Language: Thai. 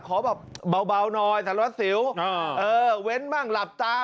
ขอแบบเบาหน่อยสารวัสสิวเว้นบ้างหลับตา